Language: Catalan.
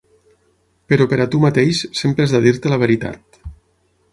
Però per a tu mateix sempre has de dir-te la veritat.